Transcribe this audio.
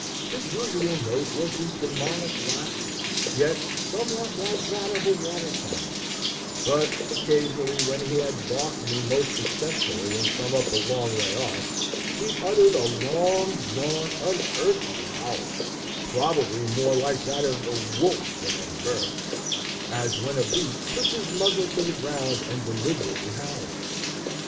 His usual note was this demoniac laughter, yet somewhat like that of a water fowl; but occasionally, when he had balked me most successfully and come up a long way off, he uttered a long drawn unearthly howl, probably more like that of a wolf than any bird; as when a beast puts his muzzle to the ground and deliberately howls.